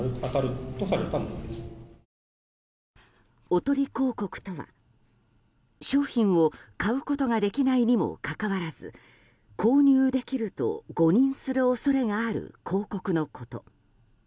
おとり広告とは商品を買うことができないにもかかわらず購入できると誤認する恐れがある広告のこと。